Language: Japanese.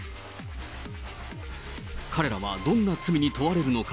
彼らはどんな罪に問われるのか。